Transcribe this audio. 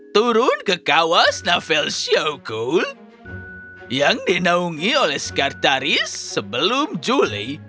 turun ke kawas navel syokul yang dinaungi oleh sekartaris sebelum juli